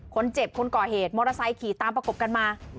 คนเจ็บคนก่อเหตุมอเตอร์ไซค์ขี่ตามประกบกันมา